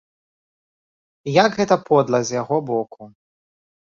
І як гэта подла з яго боку.